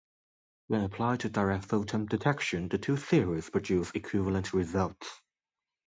When applied to direct photon detection the two theories produce equivalent results.